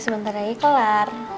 gue sebentar lagi kelar